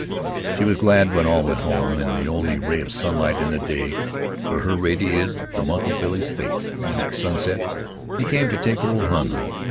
She was glad when all went home, and the only ray of sunlight in the day for her radiated from Uncle Billy's face when, at sunset, he came to take old Hon home.